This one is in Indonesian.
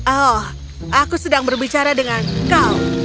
oh aku sedang berbicara dengan kau